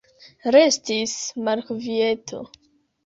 Restis malkvieto.